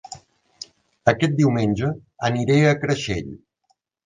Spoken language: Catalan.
Aquest diumenge aniré a Creixell